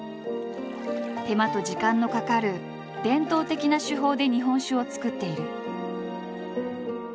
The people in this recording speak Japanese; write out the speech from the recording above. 手間と時間のかかる伝統的な手法で日本酒を造っている。